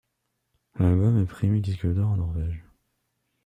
L'album est primé disque d'or en Norvège.